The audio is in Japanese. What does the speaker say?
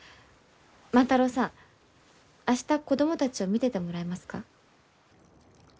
万太郎さん明日子供たちを見ててもらえますか？